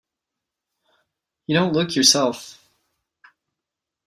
You don't look yourself.